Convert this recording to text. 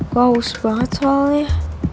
gue haus banget soalnya